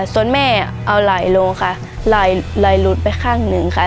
ส่วนแม่เอาหลายโลค่ะไหลหลุดไปข้างหนึ่งค่ะ